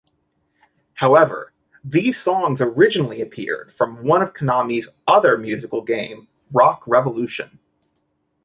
However, these songs originally appeared from one of Konami's other musical game Rock Revolution.